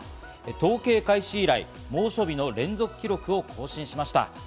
統計開始以来、猛暑日の連続記録を更新しました。